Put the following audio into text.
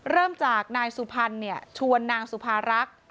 เริ่มจากนายสุพรรณชวนนางสุภารักษ์